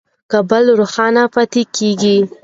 کابل روښانه پاتې کېږي.